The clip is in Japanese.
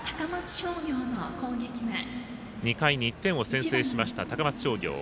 ２回に１点を先制しました高松商業。